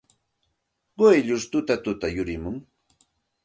Quyllur tutatuta yurimun.